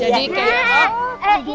jadi kayak oh